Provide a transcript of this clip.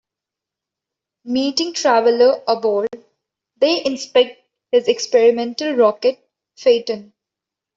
Meeting Traveller aboard they inspect his experimental rocket "Phaeton.